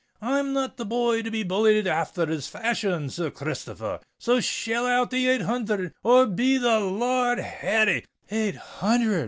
I'm not the boy to be bullied afther this fashion, Sir Christopher r. So shell out the eight hunthred—or be the Lor r d Harry!——" "Eight hundred!"